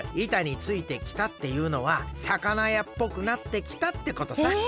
「板についてきた」っていうのはさかなやっぽくなってきたってことさ。